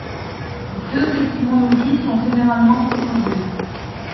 Deux étymologies sont généralement proposées.